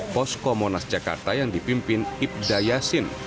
posko monas jakarta yang dipimpin ibda yasin